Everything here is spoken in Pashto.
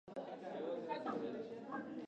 هغه په زندان کې لیکنې وکړې.